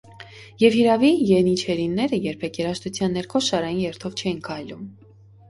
Եվ հիրավի, ենիչերիները երբեք երաժշտության ներքո շարային երթով չէին քայլում։